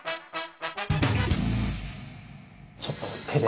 ちょっと手で。